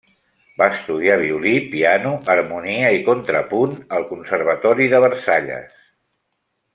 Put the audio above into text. Va estudiar violí, piano, harmonia i contrapunt al conservatori de Versalles.